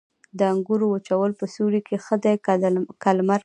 د انګورو وچول په سیوري کې ښه دي که لمر کې؟